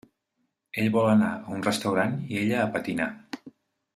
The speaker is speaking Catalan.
Ell vol anar a un restaurant i ella a patinar.